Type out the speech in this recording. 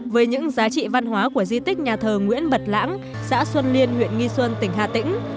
với những giá trị văn hóa của di tích nhà thờ nguyễn bật lãng xã xuân liên huyện nghi xuân tỉnh hà tĩnh